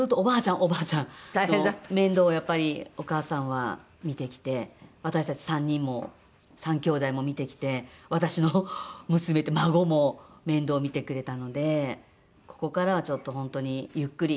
おばあちゃんの面倒をやっぱりお母さんは見てきて私たち３人も３きょうだいも見てきて私の娘孫も面倒を見てくれたのでここからはちょっと本当にゆっくり。